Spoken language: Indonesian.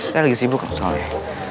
saya lagi sibuk soalnya